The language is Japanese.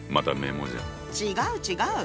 違う違う！